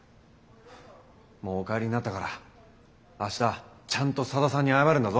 もうお帰りになったから明日ちゃんと佐田さんに謝るんだぞ。